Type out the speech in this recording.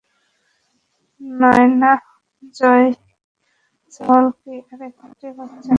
নায়না জয়সওয়াল কি আরেকটি বাচ্চাকে মেরেছে?